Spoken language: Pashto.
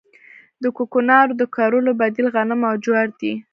د کوکنارو د کرلو بدیل غنم او جوار دي